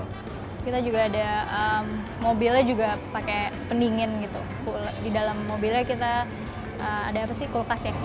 kita juga ada mobilnya juga pakai pendingin gitu di dalam mobilnya kita ada apa sih kulkas ya